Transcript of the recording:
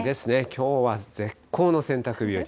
きょうは絶好の洗濯日和。